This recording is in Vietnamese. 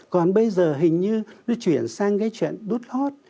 còn bây giờ hình như nó chuyển sang cái chuyện đút lót